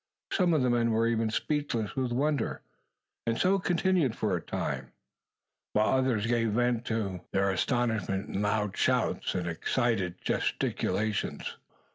Some of the men were even speechless with wonder, and so continued for a time, while others gave vent to their astonishment in loud shouts and excited gesticulations.